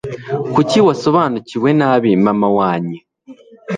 Kuki wasobanukiwe nabi mama wanye